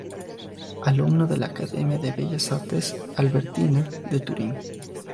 Alumno de la Academia de Bellas Artes Albertina de Turín.